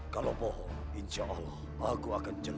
kalau bohong insya allah aku akan jenuh